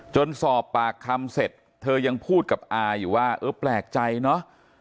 สอบปากคำเสร็จเธอยังพูดกับอาอยู่ว่าเออแปลกใจเนอะ